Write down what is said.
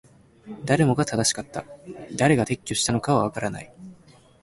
誰もが正しかった。誰が撤去したのかはわからない。